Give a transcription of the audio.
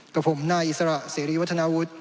กับผมนายอิสระเสรีวัฒนาวุฒิ